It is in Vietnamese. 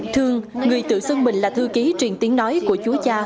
thương người tự xưng mình là thư ký truyền tiếng nói của chú cha